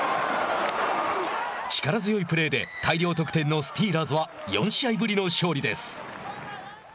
力強いプレーで大量得点のスティーラーズは４試合ぶりの勝利です。